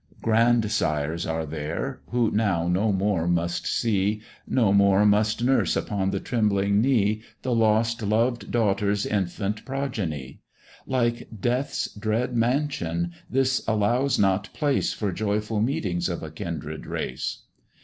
Grandsires are there, who now no more must see, No more must nurse upon the trembling knee, The lost loved daughter's infant progeny: Like death's dread mansion, this allows not place For joyful meetings of a kindred race.